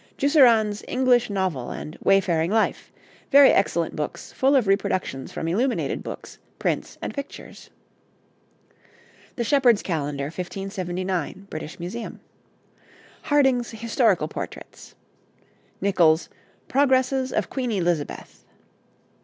Jusserand's 'English Novel' and 'Wayfaring Life.' Very excellent books, full of reproductions from illuminated books, prints, and pictures. The Shepherd's Calendar, 1579, British Museum. Harding's 'Historical Portraits.' Nichols's 'Progresses of Queen Elizabeth.'